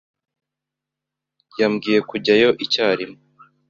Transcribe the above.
Yambwiye kujyayo icyarimwe.